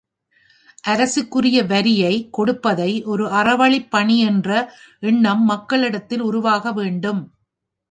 அரசுக்குரிய வரியைக் கொடுப்பதை ஒரு அறவழிப் பணி என்ற எண்ணம் மக்களிடத்தில் உருவாக வேண்டும்.